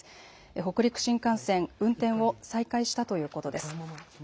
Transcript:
北陸新幹線、運転を再開したということです。